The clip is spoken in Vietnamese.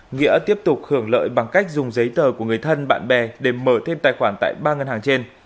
nghĩa tiếp tục hưởng lợi bằng cách dùng giấy tờ của người thân bạn bè để mở thêm tài khoản tại ba ngân hàng trên